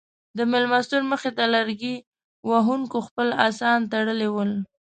د مېلمستون مخې ته لرګي وهونکو خپل اسان تړلي ول.